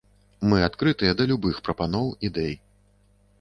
Мы адкрытыя да любых прапаноў, ідэй.